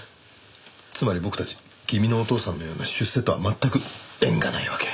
つまり僕たち君のお父さんのような出世とは全く縁がないわけ。